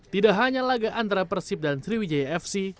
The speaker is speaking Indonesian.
tidak hanya laga antara persib dan sriwijaya fc